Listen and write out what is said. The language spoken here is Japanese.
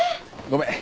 ごめん。